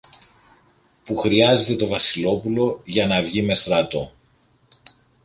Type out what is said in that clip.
που χρειάζεται το Βασιλόπουλο για να βγει με στρατό.